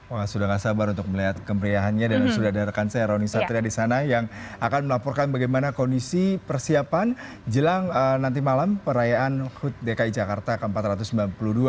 wah sudah gak sabar untuk melihat kemeriahannya dan sudah ada rekan saya roni satria di sana yang akan melaporkan bagaimana kondisi persiapan jelang nanti malam perayaan hut dki jakarta ke empat ratus sembilan puluh dua